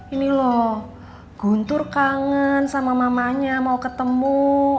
ini loh guntur kangen sama mamanya mau ketemu